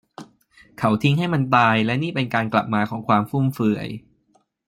เขาทิ้งให้มันตาย และนี่เป็นการกลับมาของความฟุ่มเฟือย